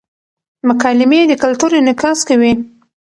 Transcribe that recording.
مکالمې د کلتور انعکاس کوي.